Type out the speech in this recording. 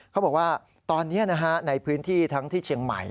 เขาบอกว่าตอนนี้ในพื้นที่ทั้งที่เชียงใหม่